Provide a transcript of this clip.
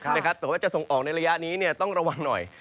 แต่ว่าจะส่งออกในระยะนี้ต้องระวังหน่อย